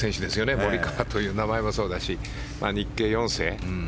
モリカワという名前もそうだし日系４世。